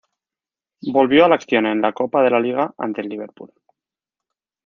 Volvió a la acción en la Copa de la Liga ante el Liverpool.